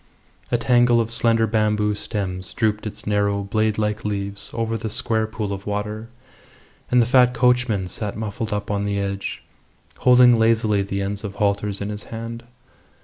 A tangle of slender bamboo stems drooped its narrow, blade like leaves over the square pool of water, and the fat coachman sat muffled up on the edge, holding lazily the ends of halters in his hand.